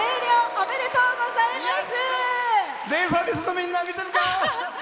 おめでとうございます。